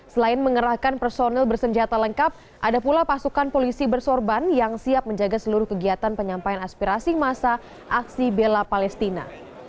selain mengerahkan personel bersenjata lengkap ada pula pasukan polisi bersorban yang siap menjaga seluruh kegiatan penyampaian aspirasi masa aksi bela palestina